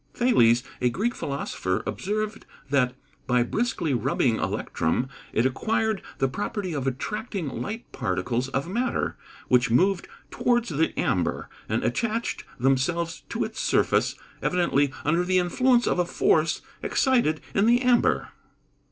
_ Thales, a Greek philosopher, observed that, by briskly rubbing electrum, it acquired the property of attracting light particles of matter, which moved towards the amber, and attached themselves to its surface, evidently under the influence of a force excited in the amber.